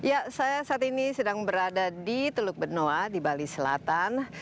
ya saya saat ini sedang berada di teluk benoa di bali selatan